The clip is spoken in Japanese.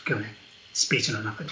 スピーチの中で。